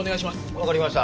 わかりました。